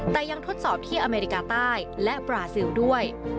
แต่ยังทดสอบที่อเมริกาใต้และบราซิลด้วย